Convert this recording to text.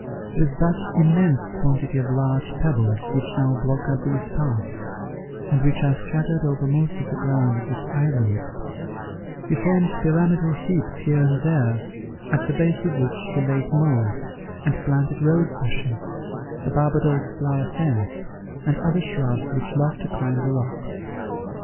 With that immense quantity of large pebbles which now block up these paths, and which are scattered over most of the ground of this island, he formed pyramidal heaps here and there, at the base of which he laid mould, and planted rose bushes, the Barbadoes flower fence, and other shrubs which love to climb the rocks.